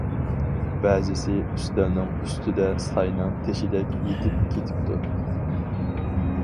بەزىسى ئۈستەلنىڭ ئۈستىدە ساينىڭ تېشىدەك يېتىپ كېتىپتۇ.